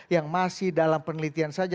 yang masih dalam penelitian saja